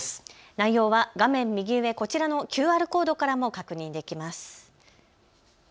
内容は画面右上、こちらのＱＲコードからも確認できます。